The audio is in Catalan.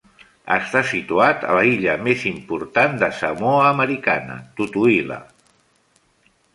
Està situat a l"illa més important de Samoa Americana, Tutuila.